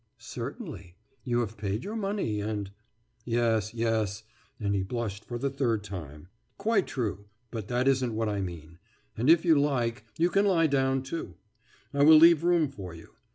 « »Certainly. You have paid your money and....« »Yes, yes,« and he blushed for the third time, »quite true, but that isn't what I mean.... And, if you like ... you can lie down too. I will leave room for you.